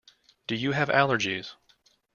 Do you have allergies?